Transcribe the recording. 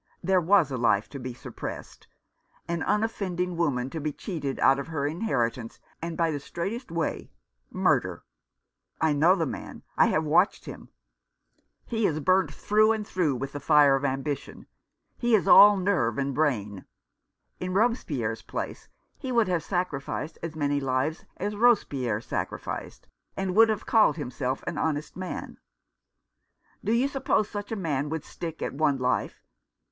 There was a life to be suppressed ; an unoffending woman to be cheated out of her inheritance, and by the straightest way — murder. I know the man I have watched him. He is burnt through and 276 Mr Faunce continues. through with the fire of ambition. He is all nerve and brain. In Robespierre's place he would have sacrificed as many lives as Robespierre sacrificed, and would have called himself an honest man. Do you suppose such a man would stick at one life